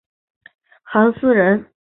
韩弘人。